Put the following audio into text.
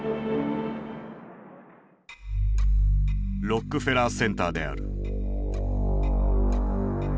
ロックフェラーセンターである。